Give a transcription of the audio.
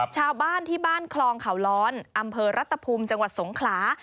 ชาวบ้านที่บ้านคลองเขาร้อนอำเภอรัตภูมิจังหวัดสงขลา